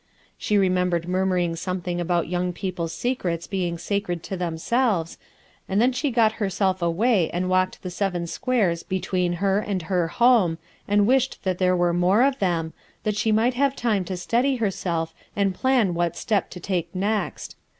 She remembered murmuring some thing about young people's secrets being sacred to themselves, and then she got herself away and walked the seven squares between her and her home, and wished that there were more of them, that she might have time to steady her self and plan what step to take next.